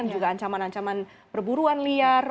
juga ancaman ancaman perburuan liar